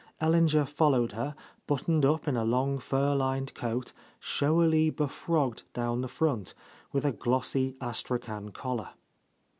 El linger followed her, buttoned up in a long fur lined coat, showily befrogged down the front, with a glossy astrachan collar.